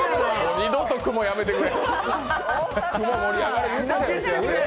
二度と雲やめてくれ！